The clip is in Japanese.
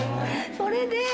それで。